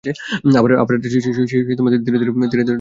আবার রাত্রে সে ধীরে ধীরে বাড়িমুখে ফিরিল।